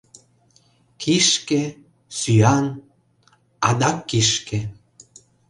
Кишке... — сӱан — адак кишке...